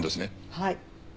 はい。